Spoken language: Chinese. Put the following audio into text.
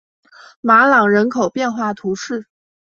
马朗人口变化图示